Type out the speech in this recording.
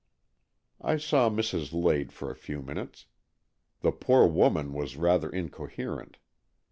I saw Mrs. Lade for a few minutes. The poor woman was rather incoherent.